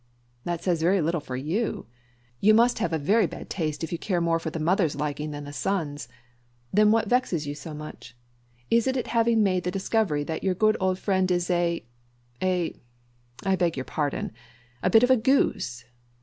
"That says very little for you. You must have a very bad taste if you care more for the mother's liking than the son's. Then what vexes you so much? Is it at having made the discovery that your good old friend is a a I beg your pardon a bit of a goose?